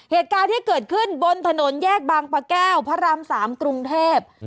เหตุการณ์ที่เกิดขึ้นบนถนนแยกบางปะแก้วพระราม๓กรุงเทพ